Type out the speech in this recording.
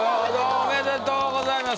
おめでとうございます。